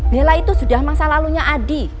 bella itu sudah masa lalunya adi